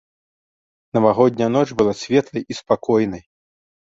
Навагодняя ноч была светлай і спакойнай.